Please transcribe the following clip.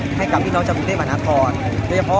สวัสดีครับทุกคนวันนี้เกิดขึ้นเกิดขึ้นทุกวันนี้นะครับ